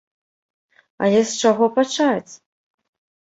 Але з чаго пачаць?